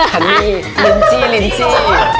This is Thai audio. คันนี่ลิ้มชี่ลิ้มชี่